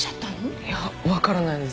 いやわからないんです。